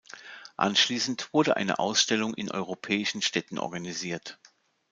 Anschließend wurde eine Ausstellung in europäischen Städten organisiert.